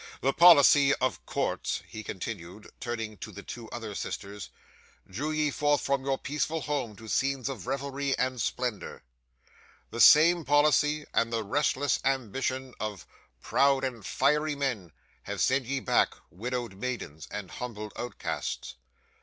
'"The policy of courts," he continued, turning to the two other sisters, "drew ye from your peaceful home to scenes of revelry and splendour. The same policy, and the restless ambition of proud and fiery men, have sent ye back, widowed maidens, and humbled outcasts.